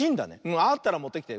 あったらもってきて。